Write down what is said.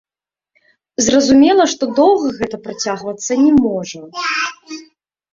Зразумела, што доўга гэта працягвацца не можа.